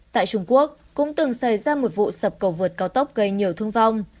tại trung quốc cũng từng xảy ra một vụ sập cầu vượt cao tốc gây nhiều thương vong